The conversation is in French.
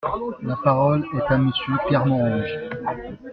La parole est à Monsieur Pierre Morange.